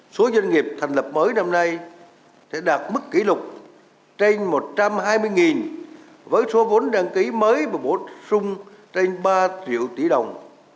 số doanh nghiệp thành lập mới năm nay sẽ đạt mức kỷ lục trên một trăm hai mươi với số vốn đăng ký mới và bổ sung trên ba triệu tỷ đồng